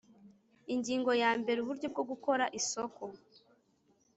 Ingingo ya mbere Uburyo bwo gukora isoko